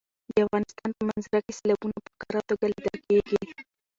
د افغانستان په منظره کې سیلابونه په ښکاره توګه لیدل کېږي.